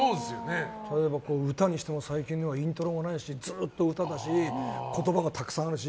例えば歌にしても最近はイントロがないしずっと歌だし言葉がたくさんあるし。